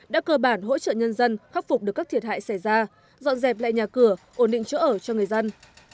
đã cơ bản hỗ trợ nhân dân khắc phục được các thiệt hại xảy ra dọn dẹp lại nhà cửa ổn định chỗ ở cho người dân